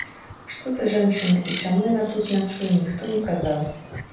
Што за жанчына і чаму яна тут начуе, ніхто не казаў.